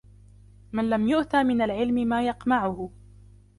مَنْ لَمْ يُؤْتَ مِنْ الْعِلْمِ مَا يَقْمَعُهُ